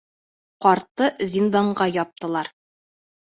— Ҡартты зинданға яптылар.